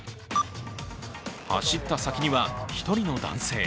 走った先には１人の男性。